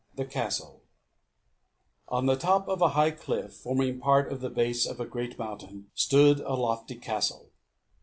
THE CASTLE On the top of a high cliff, forming part of the base of a great mountain, stood a lofty castle.